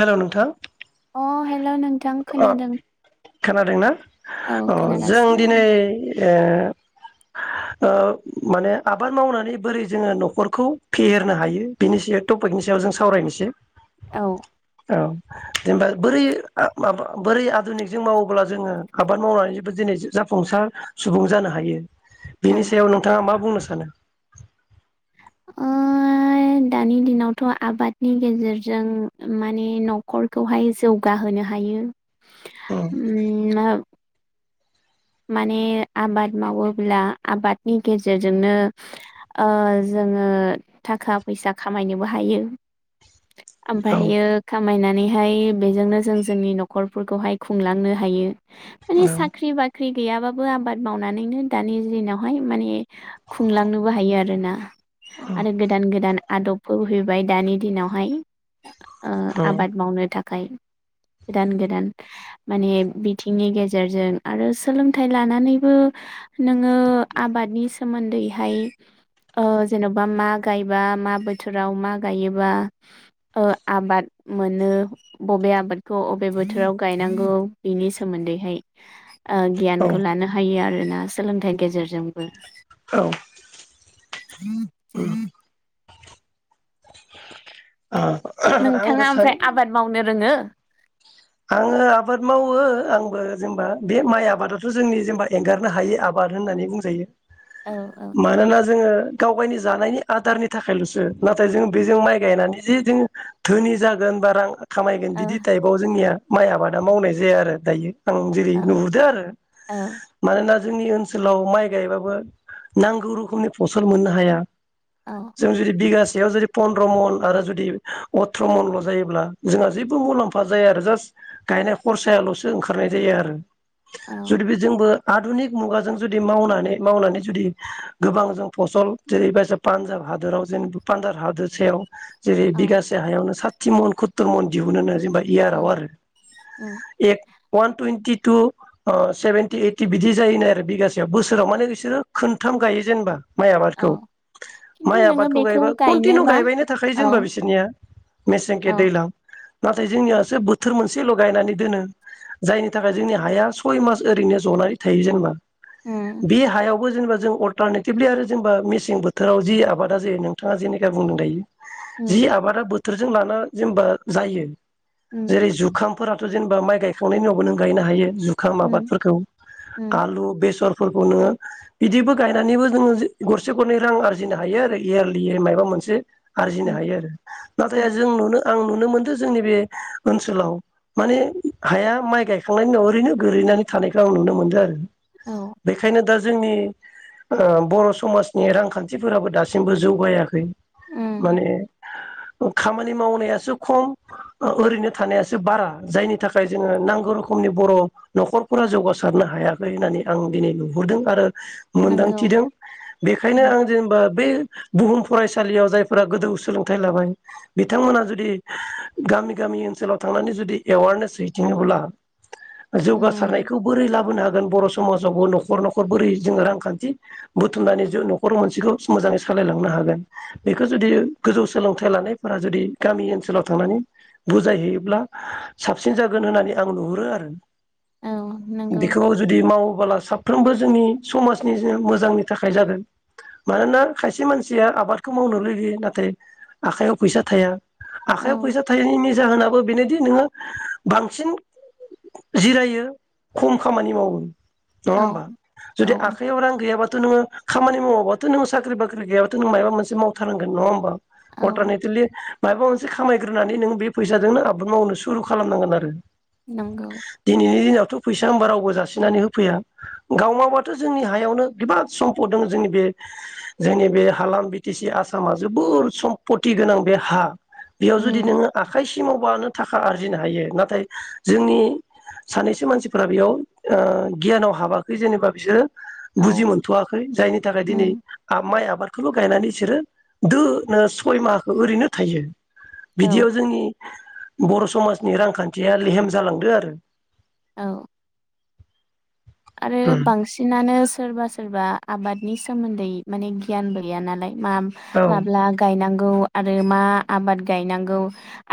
Hello नोंथां अ hello नोंथां अ खोनादों। खोनादोंना? औ अ जों खोनागासिनो दिनै ए ओ माने आबाद मावनानै बोरै जोङो नखरखौ फेहेरनो हायो बिनि सायाव टपिकनि सायाव जों सावरायनोसै। औ औ जेनेबा बोरै ओ माबा बोरै आदुनिकजों मावोब्ला जोङो आबाद मावनानै जोबो जिनै जाफुंसार सुबुं जानो हायो। औ बिनि सायाव नोंथाङा मा बुंनोस सानो। ओ दानि दिनावथ आबादनि गेजेरजों माने नखरखौहाय जौगाहोनो हायो उम माने आबाद मावोब्ला आबादनि गेजेरजोंनो ओ जोङो थाखा फैसा खामायनोबो हायो। औ आमफायो खामायनानै हाय बेजोंनो जों जोंनि नखरफोरखौहाय खुंलांनो हायो। माने औ साख्रि बाख ख्रि गैयाबाबो आबाद मावनानैनो दानि दिनावहाय माने खुंलांनोबो हायो आरो ना औ आरो गोदान गोदान आदबफोबो फैबाय दानि दिनावहाय। ओ उम आबाद मावनो थाख खाय गोदान गोदान माने बिथिंनि गेजेरजों आरो सो सोलोंथाइ लानानैबो नोङो आबादनि सोमोन्दैहाय ओ जेनबा मा गायबा मा बोथोराव मा गायोबा ओ आबाद मोनो बबे आबादखौ अबे बोथोराव गायनांगौ बिनि सोमोन्दैहाय। ओ औ गियानखौ लानो हायो आ आरोना सोलोंथाइ गेजेरजोंबो औ उम ओ आंबो नोंथाङा सानो ओमफ्राय आबाद मावनो रोङो? आङो आबाद मावो आंबो जेनेबा बे माइ आबादाथ जोंनि जेनेबा एंगारनो हायै आबाद होननानै बुंजायो। औ औ मानोना जोङो गावगायनि जानायनि आदारनि थाखायलसो नाथाय जों बेजों माइ गायनानै जे जों धोनि जागोन बा रां खामायगोन औ बिदि टाइपआव जोंनिया माइ आबादा मावनाय जाया आरो दायो। आं जेरै औ नुहुरदो आरो औ मानोना जोंनि ओनसोलाव माइ गायबाबो नांगौ रोखोमनि फसल मोननो हाया। जों जुदि बिगास सेयाव जुदि पन्द्र मन आरो जुदि अथ्र मनल जायोब्ला जोंहा जेबो मुलाम्फा जाया आरो जास्ट। गायनाय खरसायालसो ओंखारनाय जायो आरो औ जुदि बेजोंबो आधुनिक मुगाजों जुदि मावनानै मावनानै जुदि गोबां जों फसल जेरैबायसा पान्जाब हादोराव जेनेबा पान्जाब हादोर सायाव जेरै औ बिगासे हायावनो सा थि मन कुत्तर मन दिहुनो जेनबा औ इयाराव आरो उम ए अवान टुइन्टि टु ओ सेभेेनटि ओइटि बिदि जायोनो आरो बिगासेयाव बोसोराव माने बिसोरो खोनथाम गायो जेनेबा माइ औ आबादखौ खिन्थु माइ नोङो आबादखौ बेखौ गायबा कन्टिनिउ गायनोबा गायबायनो थाखाय औ जेनबा बिसोरनिया मेसेंखे औ दैलां नाथाय जोंनिया सो बोथोर मोन से ल गायनानै दोनो जायनि थाखाय जोंनि हाया सय मास ओरैनो जनानै थायो जेनेबा। उम बे हायाव बो जेनेबा अलटारनेटिभलि आरो जेनेबा मेसें बोथोराव जि आबादा जायो नोंथाङा जेनिखा बुंदों दायो जि उम आबादा बो थोरजों लाना जेनेबा जायो उम जेरै जु खामफोराथ जेनेबा माइ गायखांनायनि उनावबो नों गायनो हायो। जुखाम उम आबादफोरखौ उम आलु बेसर फोरखौ नोङो बिदिबो गायनानैबो जोङो गरसे गरनै रां आरजिनो हायो आरो इयारलियै मायबा मोनसे आरजिनो उम हायो आरो नाथाय उम जों नुनो आं नु नो मोनदों जोंनि बे ओनसोलाव माने हाया माइ गायखांनायनि उनाव ओरैनो गोलैनानै थानायखौ आं नुनो मोन्दों आरो। औ बेखायनो दा जोंनि बर' समाजनि रांखान्थिफोराबो दासिमबो जौगायाखै। उम माने खामानि मावनायासो खम ओरैनो थानाया सो बारा जायनि थाखाय जोङो नांगौ रोखोमनि बर' नखरफोरा जौगासारनो हायाखै होननानै आं दिनै नुहुरदों आरो नंगौ मोनदांथिदों बेखायनो उम आं जेनेबा बे बुहुम फरायसालियाव जायफोरा गोदौ सोलोंथाइ लाबाय बिथांमोना जुदि गामि गामि ओनसोलाव थांनानै जुदि एवारनेस हैथिङोब्ला उम जौगासारनायखौ बोरै लाबोनो हाग गोन बर' समाज आव बो न'खर न'खर बोरै जोङो रांखान्थि बुथुमनानै जों न'खर मोनसेखौ सोमोजाङै सालायलांनो हागोन बेखौ जुदि गोजौ सोलोंथाय लानायफोरा जुदि गामि ओनोलाव थानानै बुजाय हैयो ब्ला साबसिन जागोन होननानै आं नुहुरो आरो। औ नंगौ बेखौ जुदि माव बाला साफ्रोमबो जोंनि समाजनि जे मोजांनि थाखाय जादों मानोना खायसे मानसिया आबादखौ मावनो लुुबैयो नाथाय आखाइयाव फैसा थाया। औ आखायाव फैसा थायैनिनो जाहोनाबो बेनोदि नोङो बांसिन जिरायो खम खामानि मावो। नङा औ होमबा जुदि औ आखाइ आव रां गैयाबा थ नोङो खामानि मावाबाथ' नोङो साख्रि बाख्रि गैयाबाथ' नों माया मोनसे मावथारनांगोन नङा होमबा? अटार औ नेतिलि माबा मोनसे खामायग्रोनानै नों बे फैसाजोंनो आ बाद मावनो सुरु खालामनांगोन आरो नंगौ दिनैनि दिनाव दाथ' फैसा होनोमबा रावबो जासिनानै होफैया गाव माबाथ' जोंनि हायावनो बिबोद सम्पद दङो जोंनि बे जोंनि बे हालाम बि टि सि आसामा जोबोर सम्पति गोनां बे हा। बेयाव जुदि उम नोङो आखायस ति मावबानो थाखा आरजिनो हायो नाथाय जोंनि सानैसो मानसिफोरा बेयाव ओ गियानाव हाबाखै जेनेबा बिसोरो बुजि औ मोनथ'वाखै जायनि थाखाय दिनै उम आमाइ आब बादखौल' गायनानै इसोरो दोनो सय माहाखौ ओरैनो थायो। औ बिदियाव जोंनि बर' समाजनि रांखान्थिया लेहेम जालांदो आरो। औ। आरो उम बांसिनानो सोरबा सोर सोरबा आबादनि सोमोन्दै माने गियानबो गैया नालाय मा औ माब्ला गायनांग औ आरो मा आबाद गायनांगौ?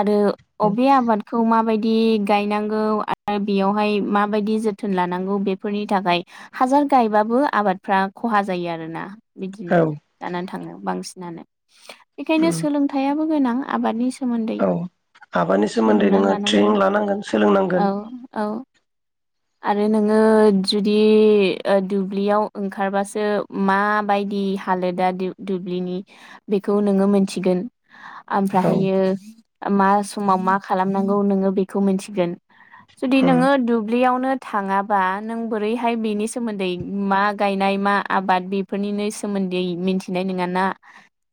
आरो अबे आबादखौ माबायदि दि गायनांगौ आरो बेवहाय माबायदि जोथोन लानांगौ बे फोरनि थाखाय हासार गायबाबो आबादफ्रा खहा जायो आरोना। बिदिनो औ जानानै थांङो। बांसिनानो। बेखायनो उम सोलोंथाइयाबो गोनां आबादनि सोमोन्दै औ आबादनि सोमोन्दै सोलोंना नोङो लानांगौ ट्रेनिं लानांगोन औ सोलोंनांगोन। औ आरो नोङो जुदि ओ दुब्लियाव ओंखारबासो माबायदि हालोदा दु-दुब्लिनि बेखौ नोङो मोनथिगोन। औ ओमफ्रायहायो मा समाव मा खालामनांगौ नोङो बेखौ मिथिगोन। जुदि उम नोङो दु ब्लियावनो थाङाबा नों बोरैहाय बेनि सोमोन्दै मा गायनाय मा आबाद बेफोरनिनो सोमोन्दै मिथिनाय नोङा ना?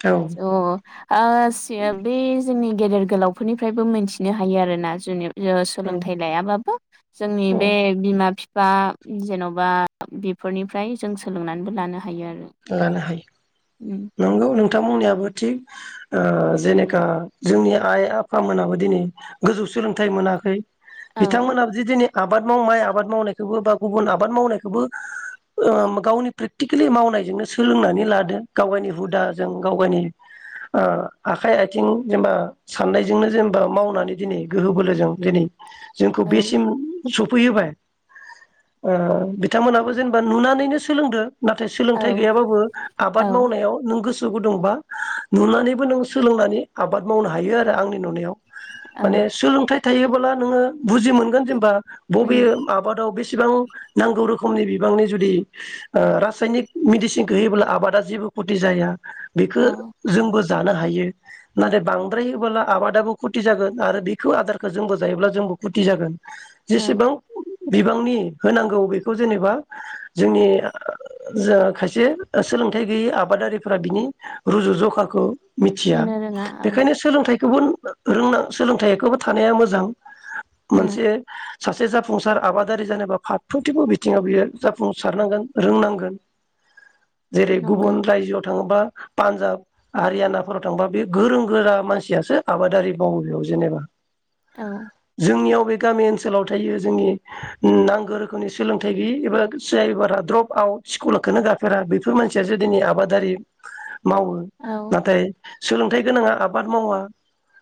औ [unintelligible] बे जोंनि गेदेर गोलावफोरनिफ्रायबो मोनथिनो हायो आरोना जुनि या औ सोलोंथाइ लायाबाबो। जोंनि औ बे बिमा-बिफ फा जेनबा बेफोरनिफ्राय जों सोलोंनानैबो लानो हायो आरो लानो उम हायो नंगौ नों थां बुंनायाबो थिग ओ जेनेखा जोंनि आइ आफामोनाबो दिनै गोजौ सोलोंथाइ मोनाखै औ बिथांमोनाबो जि दिनै आबाद माव माइ आबाद मावनायखौबो बा गुबुन आबाद मावनायखौबो ओ गावनि प्रेकटिकेलि मावनाय बे जोंनो सोलोंनानै लादो गाव गावनि हुदाजों गाव गावनि ओ आखाइ आयथिं जेनबा साननायजोंनो जेनबा मावनानै दिनै गोहो बोलोजों दिनै जोंखौ औ बेसिम सफैहोबाय ओ बिथांमोनाबो जेनबा नुनानैनो सोलोंदो नाथाय औ थाय गैयाबाबो औ आबाद मावनायाव नों गोस सो गुदुंबा नुनानैबो नों सोलोंनानै आबाद मावनो हायो आरो आंनि नुनायाव। औ माने सोलोंथाइ थायो बोला नोङो बुजि मोनगोन जेनबा बबे उम आबादाव बेस सिबां नांगौ रोखोमनि बिबांनि जुदि ओ रासायनिक मेडिसिनखो होयोबोला आबादा जेबो खथि जाया‌। बेखो औ जोंबो जानो हायो नाथाय बांद्राय बोला आबादाबो खथि जागोन आरो बेखौ आदारखो जोंबो जायोब्ला जोंबो खथि जागोन। औ जेसेबां बिबांनि होनांगौ बेखौ जेनेबा जोंनि ओ जा खायसे ओ सोलोंथाइ गैयै आबादारिफोरा बिनि रुजु जखाखौ मिथिया होनो रोङा औ बेखायनो सोलोंथाइ खौबो नों रोंना सोलोंथाइखौबो थानाया मोजां। उम मोनसे सासे जाफुंसार आबादारि जानोबा फारफ्रोमथिबो बिथिङाव बियो जाफुंसारनांगोन रोंनांगोन‌। जेरै नंगौ गुबुन रायजोआव थाङोबा पान्जाब आरियानाफोराव थांबा बे गोरों गोरा मानसियासो आबादारि मावो बेयाव जेनेबा। औ जोंनियाव बे गामि ओनसोलाव थायो जोंनि नांगौ रोखोमनि सोलोंथाइ गैयि एबा जायबारा द्रप आउटस फलखौनो गाफेरा बेफोर मानसिया जुदिनि आबादारि मावो औ नाथाय सोलोंथाइ गोनाङा आबाद मावा।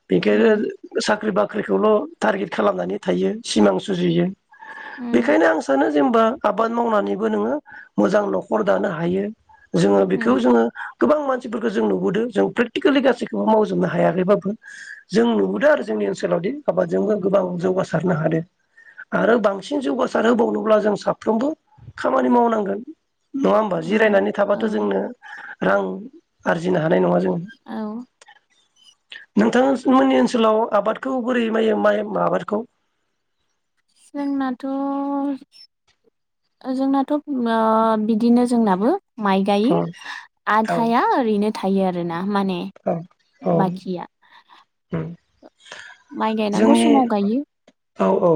बेखो उम साख्रि बाख ख्रिखौल टारगेट खालामनानै थायो सिमां सुजुयो उम बेखायनो आं सानो जेनबा आबाद मावनानैबो नोङो मोजां नखर दानो हायो जोङो बेखौ उम जोङो गोबां मानसिफोरखौ जों नुबोदो जों प्रेकटिकेलि गासैखौबो मावजोबनो हायाखैबाबो जों नुबोदो आरो जोंनि ओनसोलावदि आबादजोंबो गोबां जौगासारनो हादो आरो बांसिन जौगासार होबावनोब्ला जों साफ्रोमबो खामानि मावनांगोन नङा होमबा औ जिरायनानै औ थाबाथ जोंनो रां आरजिनो हा नाय नङा औ जोङो नोंथांमोननि ओनसोलाव आबादखौ बोरै मायो माइ आबादखौ जोंनाथ-जोंनाथ ओ बिदिनो जोंनाबो माइ औ गायो औ आधाया ओरैनो थायो आरो न माने बाखिया औ माइ गायनांगौ जोंनि समाव गायो औ औ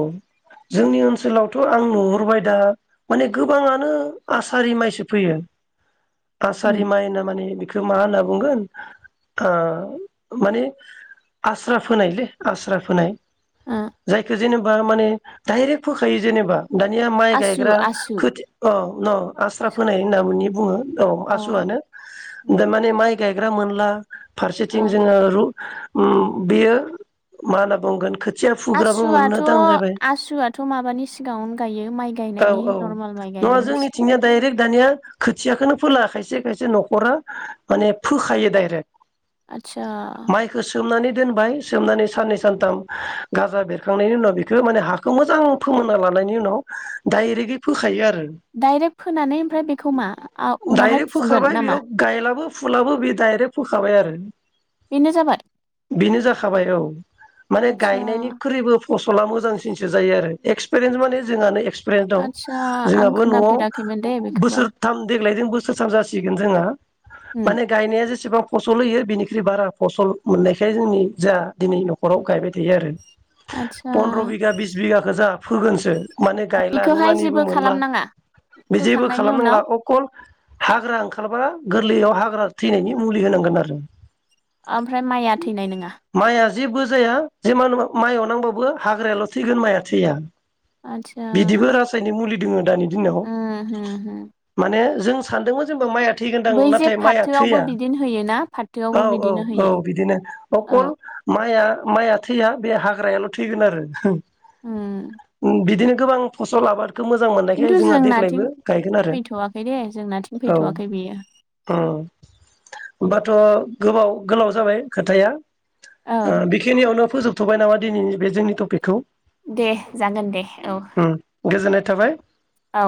जोंनि ओनसोलावथ आं नुहुरबाय दा माने गोबाङानो आसारि माइसो फोयो आसारि उम माइना माने बे मा होनना बुंगोन ओ माने आस्रा फोनायलै आस्रा फोनाय ओ जायखौ जेनेबा माने डाइरेक्ट फोखायो जेनेबा दानिया माइ आसु गायग्रा आसु खोथि औ न अ आस्रा फोनाय होननानै बुङो औ आसुआनो दामाने माइ गायग्रा मोनला फारसेथिं अ जोङो रु उम बेयो मा होन बुंगोन खोथ आसुआथ आसुआथ माबानि सिगाङावनो गायो माइ औ गायनायनि औ नरमेल माइ नङा गायनायनि सिगां जोंनिथिंनिया डाइरेक्ट दानिया खोथियाखौनो फोला खायसे खायसे नखराव माने फोखायो डाइरेक्ट आतसा माइखौ सोमनानै दोनबाय सोमनानै साननै सानथाम गाजा बेरखांनायनि उनाव बेखौ माने हाखौ मोजां फोमोनना लानायनि उनाव डाइरेक्टयै फोखायो आरो डाइरेक्ट फोनानै ओमफ्राय बेखौ मा आ उनावहाय डाइरेक्ट फुगोन फोखाबाय नामा? बेयाव गायलाबो फुलाबो बे डाइरेक्ट फोखाबाय आरो बेनो जाबाय बेनो जाखाबाय औ माने आदसा गायनायनिख्रुइबो फसला मोजांसिनसो जायो आरो एक्सपेरियेन्स माने जोंहानो फ्राय दं आदसा आं जोंहाबो न'आव खोनाफेराखैमोन दे बेखौबा बोसोरथाम देग्लायजों बो सो सान जासिगोन जोंहा उम माने गायनाया जेसेबां फसल होयो बिनिख्रुइ बारा फसल मोननायखाय जोंनि जा दिनै नखराव गायबाय थायो आरो। पनद्र आदसा बिगा बिस बिगाखौ जाह फोगोनसो माने गायला बेखौहाय रुवानिबो जेबो मोनला खालामनाङा बे जेबो फोखांनायनि उनाव खालामनांला अकल हाग्रा ओंखारबा गोरलैयाव हाग्रा थैनायनि मुलि होनांगोन आरो आम फ्राय माइआ थैनाय नोङा? माइआ जेबो जाया जेमान माइआव नांबावबो हाग्रायाल थैगोन माइआ थैया। आदसा बिदिबो रासायनिक मुलि दोंङो दानि दिनाव उम होम होम माने जों सानदोंमोन जेनबा माइआ थैगोनदां बै जे नाथाय माइआ फाथोआवबो थैया बिदिनो होयोना औ फाथोआवबो औ बिदिनो औ होयो। बिदिनो औ अकल माइआ-माइआ थैया बे हाग्रायाल थैगोन आरो। उम उम बिदिनो गोबां फसल आबाद खो मोजां मोननायखाय खिन्थु जोंहा जोंनाथिं देग्लायबो गायगोन आरो फैथ'वाखै दे जोंनाथिं औ फैथ'वाखै बियो उम होमबाथ गोबाव गोलाव जाबाय खोथाया औ ओ बिखिनियावनो फोजोबथबाय नामा दिनैनि बे जोंनि टपिकखौ? दे जागोन दे औ। उम गोजोननाय थाबाय। औ